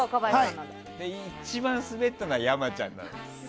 一番スベったのは山ちゃんなの。